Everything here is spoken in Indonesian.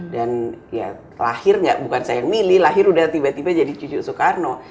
dan ya lahir nggak bukan saya yang milih lahir udah tiba tiba jadi cucu soekarno